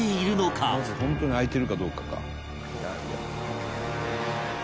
「まず本当に開いているかどうかか」